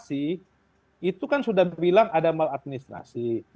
evaluasi mengawasi itu kan sudah dibilang ada maladministrasi